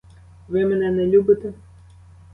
Ви мене не любите?